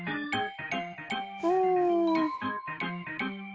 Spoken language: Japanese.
うん。